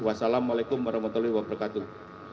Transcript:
wassalamu'alaikum warahmatullahi wabarakatuh